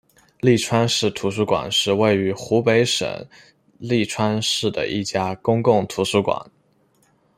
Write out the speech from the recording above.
利川市图书馆是位于湖北省利川市的一家公共图书馆。